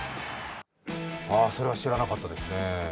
それは知らなかったですね。